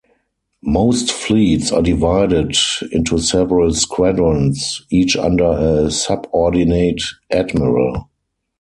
Most fleets are divided into several squadrons, each under a subordinate admiral.